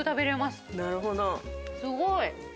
すごい！